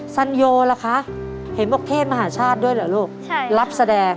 สัญโยล่ะคะเห็นบอกเทศมหาชาติด้วยเหรอลูกรับแสดง